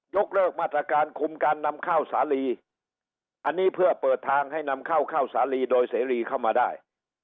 กเลิกมาตรการคุมการนำข้าวสาลีอันนี้เพื่อเปิดทางให้นำข้าวเข้าสาลีโดยเสรีเข้ามาได้